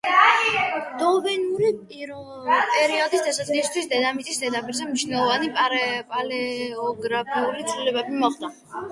დევონური პერიოდის დასაწყისისთვის დედამიწის ზედაპირზე მნიშვნელოვანი პალეოგრაფიული ცვლილებები მოხდა.